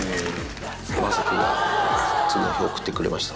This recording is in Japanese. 雅紀が次の日、送ってくれました。